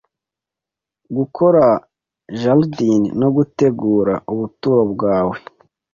gukora jardin no gutegura ubuturo bwawe